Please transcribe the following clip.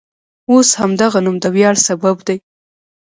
اوس همدغه نوم د ویاړ سبب دی.